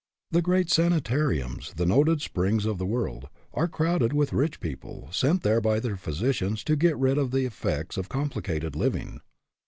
The great sanitariums, the noted springs of the world, are crowded with rich people, sent there by their physicians to get rid of the effects of complicated living.